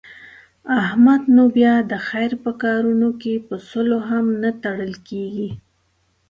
احمد نو بیا د خیر په کارونو کې په سلو هم نه تړل کېږي.